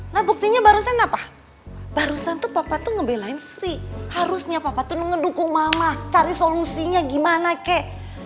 nah buktinya barusan apa barusan tuh papa tuh ngebelain sri harusnya papa tuh ngedukung mama cari solusinya gimana kek